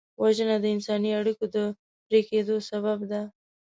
وژنه د انساني اړیکو د پرې کېدو سبب ده